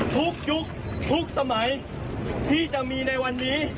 ยุคทุกสมัยที่จะมีในวันนี้